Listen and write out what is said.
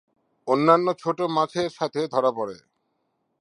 অন্যান্য ছোট মাছের সাথে ধরা পড়ে।